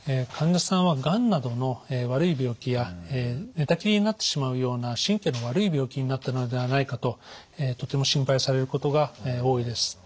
患者さんはがんなどの悪い病気や寝たきりになってしまうような神経の悪い病気になったのではないかととても心配されることが多いです。